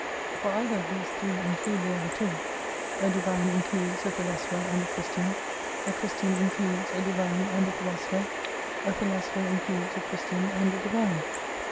For either of these three include the other two. A Divine includes a Philosopher and a Christian ; a Christian includes a Divine and a Philosopher ; a Philosopher includes a Christian and a Divine.